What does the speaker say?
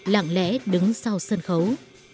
lặng lẽ đứng sau sân khấu